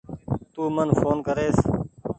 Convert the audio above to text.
تو من ڦون ڪريس